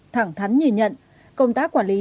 thẳng thắn nhìn nhận công tác quản lý